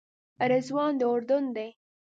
رضوان د اردن دی.